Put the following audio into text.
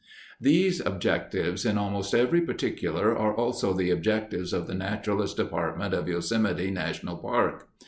These objectives in almost every particular are also the objectives of the Naturalist Department of Yosemite National Park.